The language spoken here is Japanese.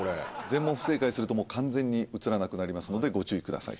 全問不正解すると完全に映らなくなりますのでご注意ください。